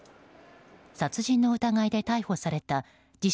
殺人の疑いで逮捕された自称